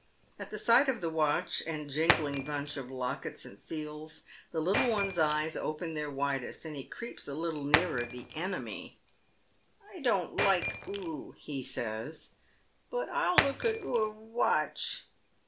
At sight of the watch and jingling bunch of lockets and seals the little one's eyes open their widest, and he creeps a little nearer the enemy. " I_ don't like oo," he says, " but I'll look at oor watch."